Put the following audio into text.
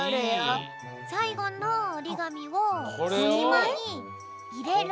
さいごのおりがみをすきまにいれるんだ。